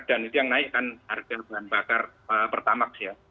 dan itu yang menaikkan harga bahan bakar pertama